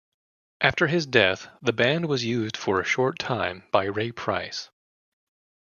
After his death, the band was used for a short time by Ray Price.